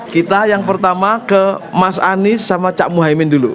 kita yang pertama ke mas anies sama cak muhaymin dulu